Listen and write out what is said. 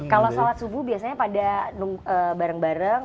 kalau sholat subuh biasanya pada bareng bareng